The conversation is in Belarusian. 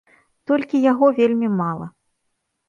Толькі яго вельмі мала.